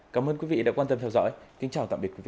cảm ơn quý vị đã quan tâm theo dõi kính chào tạm biệt quý vị